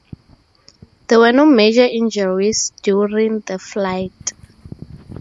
There were no major injuries during the flight.